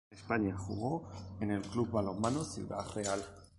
En España jugó en el Club Balonmano Ciudad Real.